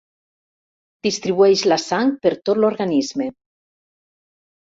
Distribueix la sang per tot l'organisme.